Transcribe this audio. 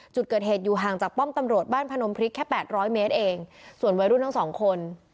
จุดเกิดเหตุอยู่ห่างจากป้อมตำรวจบ้านพนมพริกแค่แปดร้อยเมตรเองส่วนวัยรุ่นทั้งสองคน